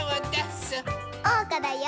おうかだよ！